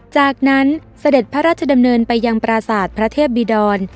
จากนั้นเสด็จพระราชดำเนินไปยังปราศาสตร์พระเทพบิดร